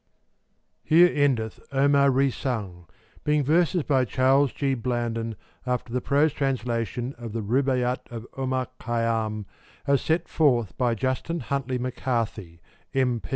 Here endeth OMAR RESUNG, being verses by Charles G. Blanden, after the prose translation of the R UB AIT AT of Omar Khayyam, as set forth by Justin Huntly McCarthy, M.